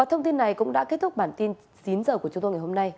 hôm nay cũng đã kết thúc bản tin chín h của chúng tôi ngày hôm nay